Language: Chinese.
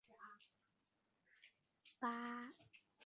拔贡生出身。